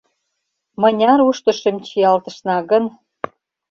— Мыняр уштышым чиялтышна гын?